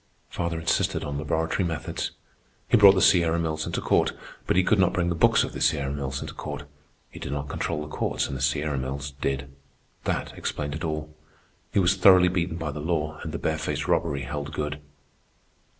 Father insisted on laboratory methods. He brought the Sierra Mills into court, but he could not bring the books of the Sierra Mills into court. He did not control the courts, and the Sierra Mills did. That explained it all. He was thoroughly beaten by the law, and the bare faced robbery held good.